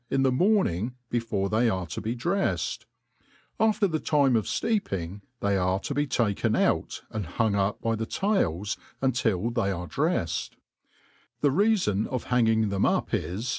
in the morning before they are to be drefied \ after the time of deeping, they are to be taken out, and hung up by the Uib lentil they are drefTcd i the reafon of banging them up is, C c 4.